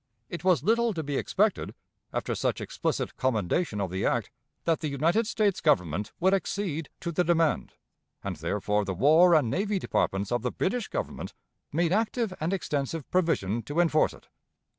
It was little to be expected, after such explicit commendation of the act, that the United States Government would accede to the demand; and therefore the War and Navy Departments of the British Government made active and extensive provision to enforce it.